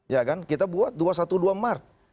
ya kan kita buat dua ratus dua belas mart